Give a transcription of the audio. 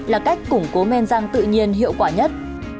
là cách củng cố men răng tự nhiên hiệu quả nhất